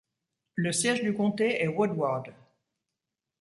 Le siège du comté est Woodward.